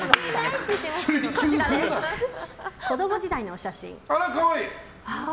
子供時代のお写真。